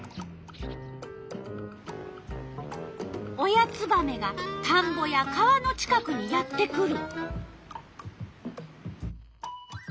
親ツバメがたんぼや川の近くにやって来る。